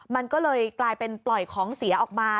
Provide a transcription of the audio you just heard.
มันก็เลยกลายเป็นปล่อยของเสียออกมา